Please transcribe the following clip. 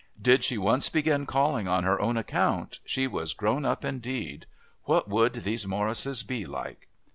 Did she once begin calling on her own account she was grown up indeed. What would these Morrises be like?